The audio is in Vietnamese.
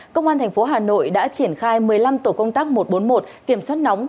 công an thành phố hà nội đã triển khai một mươi năm tổ công tác một trăm bốn mươi một kiểm soát nóng